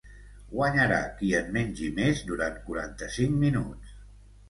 Guanyarà qui en mengi més durant quaranta-cinc minuts.